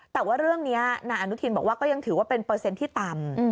แต่ว่าเรื่องนี้นายอนุทินบอกว่าก็ยังถือว่าเป็นเปอร์เซ็นต์ที่ต่ำ